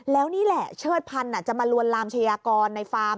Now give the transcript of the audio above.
แล้วนี่แหละเชิดพันธุ์จะมาลวนลามชายากรในฟาร์ม